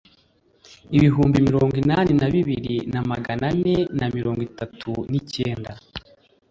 ibihumbi mirongo inani na bibiri na magana ane na mirongo itatu n icyenda